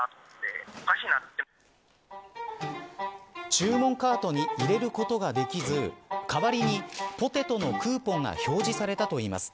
注文カートに入れることができず代わりにポテトのクーポンが表示されたといいます。